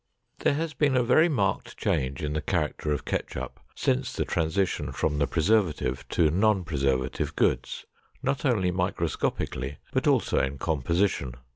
There has been a very marked change in the character of ketchup since the transition from the preservative to non preservative goods, not only microscopically, but also in composition.